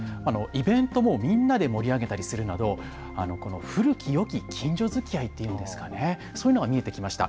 イベントもみんなで盛り上げたりするなど古きよき近所づきあいっていうのでしょうか、そういうものが見えてきました。